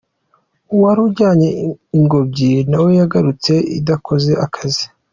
Uwari ujyanye ingobyi nawe yagarutse idakoze akazi.